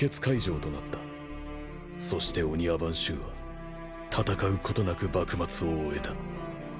そして御庭番衆は戦うことなく幕末を終えた。